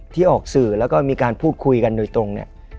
ที่ออกสื่อแล้วก็มีการพูดคุยกันโดยตรงเนี่ย